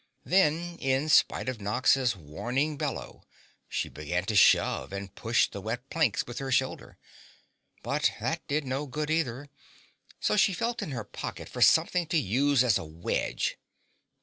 Then, in spite of Nox's warning bellow, she began to shove and push the wet planks with her shoulder. But that did no good either, so she felt in her pocket for something to use as a wedge.